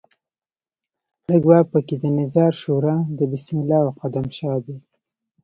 او واک په کې د نظار شورا د بسم الله او قدم شاه دی.